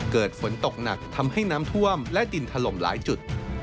เกิดฝนตกหนักทำให้น้ำท่วมและดินถล่มหลายจุด